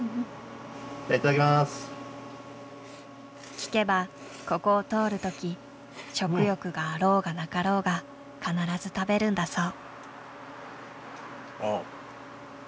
聞けばここを通る時食欲があろうがなかろうが必ず食べるんだそう。